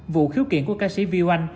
vụ khiếu kiện của ca sĩ viu anh